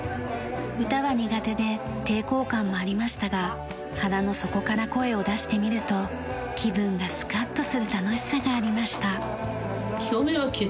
歌は苦手で抵抗感もありましたが腹の底から声を出してみると気分がスカッとする楽しさがありました。